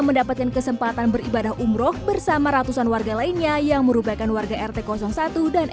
mendapatkan kesempatan beribadah umroh bersama ratusan warga lainnya yang merupakan warga rt satu dan